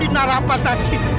hina rapat aja